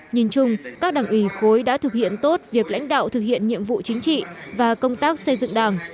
nhìn chung các đảng ủy khối đã thực hiện tốt việc lãnh đạo thực hiện nhiệm vụ chính trị và công tác xây dựng đảng